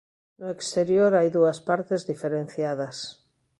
No exterior hai dúas partes diferenciadas.